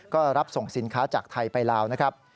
ก็รับส่งสินค้าจากไทยไปลาวนะครับ